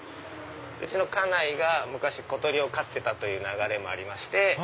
うちの家内が昔小鳥を飼ってた流れもありまして